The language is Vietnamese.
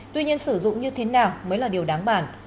tuy nhiên sử dụng như thế nào mới là điều đáng bản